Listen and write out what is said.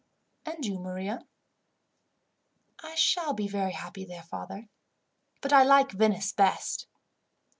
"And you, Maria?" "I shall be very happy there, father, but I like Venice best."